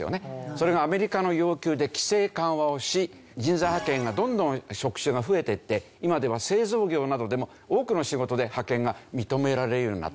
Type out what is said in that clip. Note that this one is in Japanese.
それがアメリカの要求で規制緩和をし人材派遣がどんどん職種が増えていって今では製造業などでも多くの仕事で派遣が認められるようになった。